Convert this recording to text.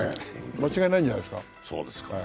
間違いないんじゃないですか。